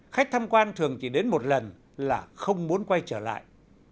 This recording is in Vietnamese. khách tham quan thường chỉ đến một lần là không muốn quay trở lại